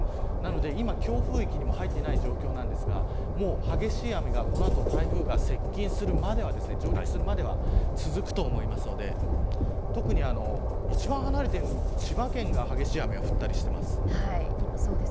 なので今強風域にも入っていない状況ですが激しい雨が、この後台風が接近するまでは上陸するまでは続くと思いますので特に一番離れている千葉県が激しい雨が降ったりしています。